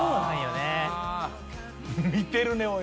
見てるねおい。